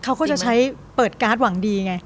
เขาก็จะใช้เปิดการ์ดหวังดีไง